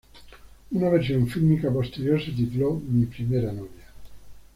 Una versión fílmica posterior se tituló "Mi primera novia".